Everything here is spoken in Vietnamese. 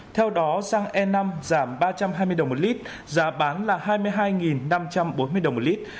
theo đó xăng e năm giảm ba trăm hai mươi đồng một lít giá bán là hai mươi hai năm trăm bốn mươi đồng một lít